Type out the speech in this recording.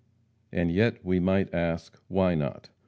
And yet we might ask, why not?